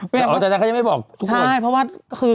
เหรอแต่ใครยังไม่บอกทุกคนใช่เพราะว่าคือ